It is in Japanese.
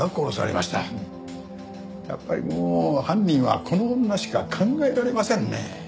やっぱりもう犯人はこの女しか考えられませんね。